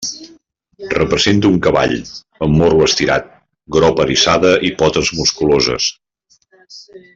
Representa un cavall amb morro estirat, gropa eriçada i potes musculoses.